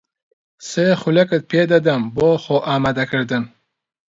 سی خولەکت پێ دەدەم بۆ خۆئامادەکردن.